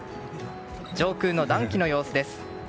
上空の暖気の様子です。